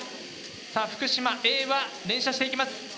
さあ福島Ａは連射していきます。